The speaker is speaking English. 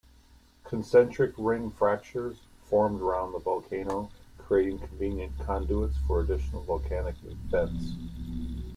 Concentric ring fractures formed around the volcano, creating convenient conduits for additional volcanic vents.